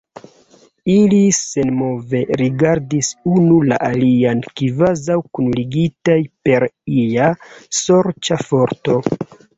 Ili senmove rigardis unu la alian, kvazaŭ kunligitaj per ia sorĉa forto.